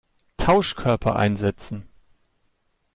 Täuschkörper einsetzen!